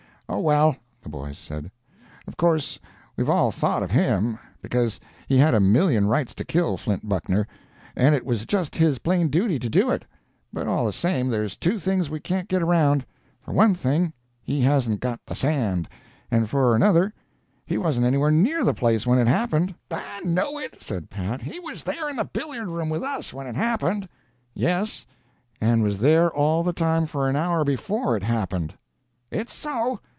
"Oh, well," the boys said, "of course we've all thought of him, because he had a million rights to kill Flint Buckner, and it was just his plain duty to do it. But all the same there's two things we can't get around, for one thing, he hasn't got the sand; and for another, he wasn't anywhere near the place when it happened." "I know it," said Pat. "He was there in the billiard room with us when it happened." "Yes, and was there all the time for an hour before it happened." "It's so.